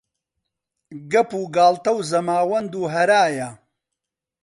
گەپ و گاڵتە و زەماوەند و هەرایە